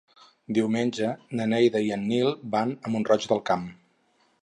Diumenge na Neida i en Nil van a Mont-roig del Camp.